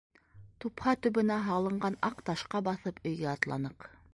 Тупһа төбөнә һалынған аҡ ташҡа баҫып өйгә атланыҡ.